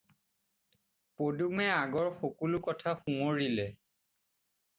পদুমে আগৰ সকলো কথা সুঁৱৰিলে।